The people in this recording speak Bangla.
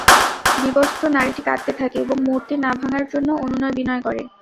বিবস্ত্র নারীটি কাঁদতে থাকে এবং মূর্তি না ভাঙ্গার জন্য অনুনয়-বিনয় করে।